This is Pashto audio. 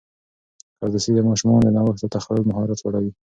کاردستي د ماشومانو د نوښت او تخیل مهارت لوړوي.